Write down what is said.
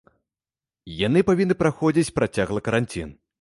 Яны павінны праходзіць працяглы каранцін.